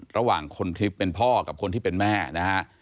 ระหว่างคนคลิปเป็นพ่อกับคนที่เป็นแม่นะฮะ